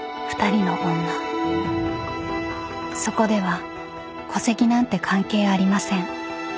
［そこでは戸籍なんて関係ありません］